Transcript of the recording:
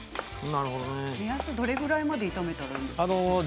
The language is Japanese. どれぐらいまで炒めたらいいですか？